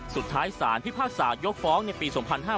สุดท้ายสารพิพากษายกฟ้องในปี๒๕๕๙